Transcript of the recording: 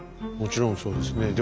もちろんそうですね。